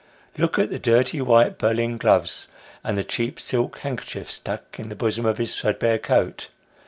Look at the dirty white Berlin gloves, and the cheap silk handkerchief stuck in the bosom of his threadbare coat.